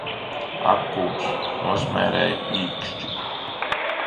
Ak kungs, nosmērēju īkšķi!